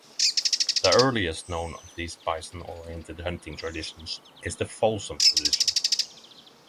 The earliest known of these bison-oriented hunting traditions is the Folsom tradition.